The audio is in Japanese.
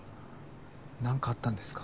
なんかあったんですか？